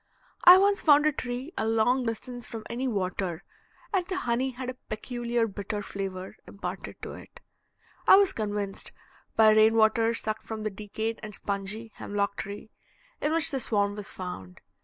I once found a tree a long distance from any water, and the honey had a peculiar bitter flavor imparted to it, I was convinced, by rainwater sucked from the decayed and spongy hemlock tree, in which the swarm was found.